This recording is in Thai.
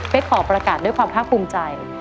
ขอประกาศด้วยความภาคภูมิใจ